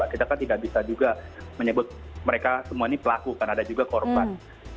kita tidak bisa menyebut mereka semua pelaku karena ada juga korban